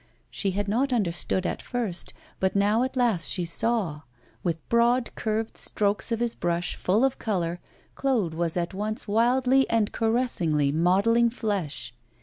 She had not understood at first, but now at last she saw. With broad curved strokes of his brush, full of colour, Claude was at once wildly and caressingly modelling flesh.